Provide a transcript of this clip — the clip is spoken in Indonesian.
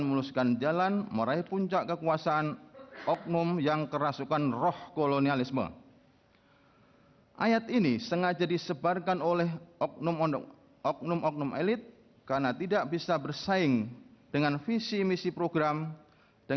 mengadakan kunjungan kerja di tempat pelangan ikan